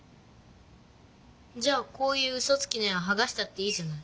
じゃあこういううそつきの絵ははがしたっていいじゃない。